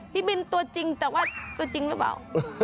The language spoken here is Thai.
พี่บินตัวจริงแต่ว่าตัวจริงหรือเปล่า